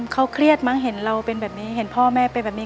เขาเครียดมั้งเห็นเราเป็นแบบนี้เห็นพ่อแม่เป็นแบบนี้